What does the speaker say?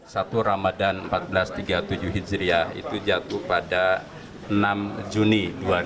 satu ramadan seribu empat ratus tiga puluh tujuh hijriah itu jatuh pada enam juni dua ribu dua puluh